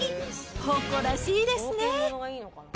誇らしいですね。